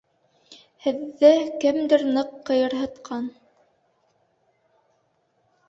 Һеҙҙе кемдер ныҡ ҡыйырһытҡан.